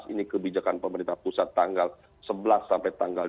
ini kebijakan pemerintah pusat tanggal sebelas sampai tanggal dua puluh